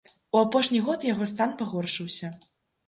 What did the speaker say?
У апошні год яго стан пагоршыўся.